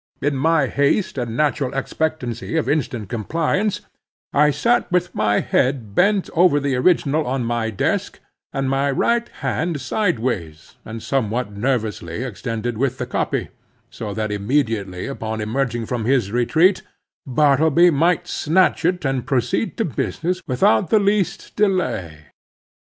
In my haste and natural expectancy of instant compliance, I sat with my head bent over the original on my desk, and my right hand sideways, and somewhat nervously extended with the copy, so that immediately upon emerging from his retreat, Bartleby might snatch it and proceed to business without the least delay.